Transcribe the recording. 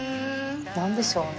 なんでしょうね？